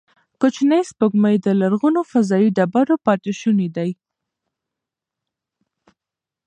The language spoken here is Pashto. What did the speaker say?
کوچنۍ سپوږمۍ د لرغونو فضايي ډبرو پاتې شوني دي.